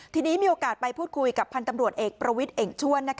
ทีนี้มีโอกาสไปพูดคุยกับพันธ์ตำรวจเอกประวิทย์เอกชวน